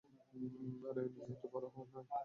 আরে নিজেই তো বড় হও নাই।